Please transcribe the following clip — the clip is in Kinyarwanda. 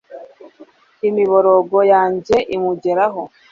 imiborogo yanjye imugeraho